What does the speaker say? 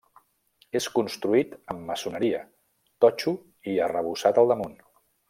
És construït amb maçoneria, totxo i arrebossat al damunt.